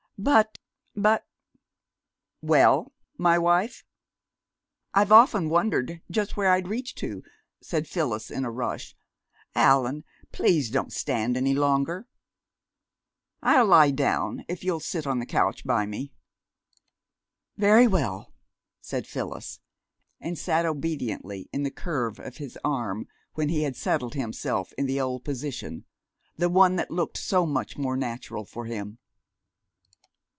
"But but " "Well, my wife?" "I've often wondered just where I'd reach to," said Phyllis in a rush.... "Allan, please don't stand any longer!" "I'll lie down if you'll sit on the couch by me." "Very well," said Phyllis; and sat obediently in the curve of his arm when he had settled himself in the old position, the one that looked so much more natural for him.